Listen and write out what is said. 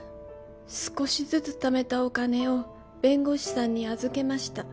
「少しずつためたお金を弁護士さんに預けました」